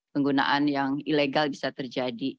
penggunaan yang ilegal bisa terjadi